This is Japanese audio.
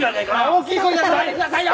大きい声出さないでくださいよ！